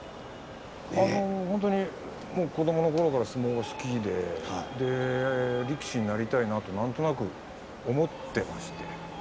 本当に子どものころから相撲が好きで力士になりたいなとなんとなく思っていました。